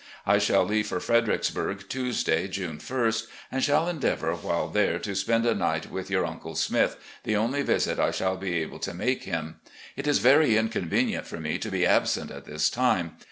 I shall leave for Fredericksburg Tuesday, Jtme ist, and shall endeavour while there to spend a night with your Uncle Smith, the only visit I shall be able to make him. It is very inconvenient for me to be absent at this time.